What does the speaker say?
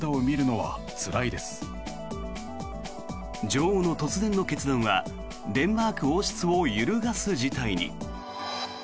女王の突然の決断はデンマーク王室を揺るがす事態に。